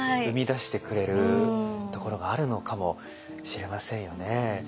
生み出してくれるところがあるのかもしれませんよね。